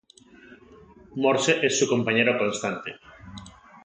Morse es su compañero constante.